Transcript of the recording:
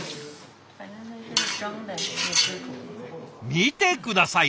見て下さい。